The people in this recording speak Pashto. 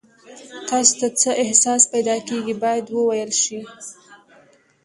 تاسو ته څه احساس پیدا کیږي باید وویل شي.